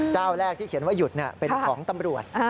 เจ้าแรกที่เขียนว่าหยุดเป็นของตำรวจ